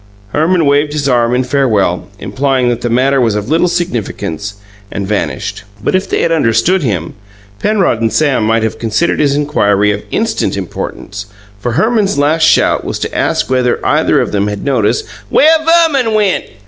Herman waved his arm in farewell, implying that the matter was of little significance, and vanished. But if they had understood him, Penrod and Sam might have considered his inquiry of instant importance, for Herman's last shout was to ask if either of them had noticed "where Verman went."